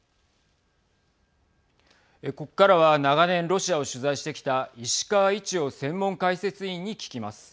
ここからは長年ロシアを取材してきた石川一洋専門解説委員に聞きます。